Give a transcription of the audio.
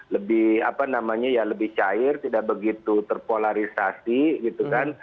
lebih apa namanya ya lebih cair tidak begitu terpolarisasi gitu kan